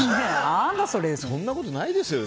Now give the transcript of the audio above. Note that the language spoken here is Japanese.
そんなことないですよ